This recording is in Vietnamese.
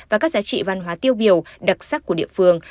và các giá trị văn hóa tiêu biểu đặc sắc của địa phương